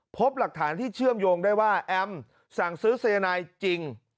พบหลักฐานที่เชื่อมโยงได้ว่าแอมสั่งซื้อสายนายจริง